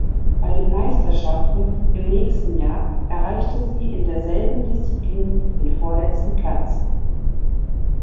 Bei den Meisterschaften im nächsten Jahr erreichte sie in derselben Disziplin den vorletzten Platz.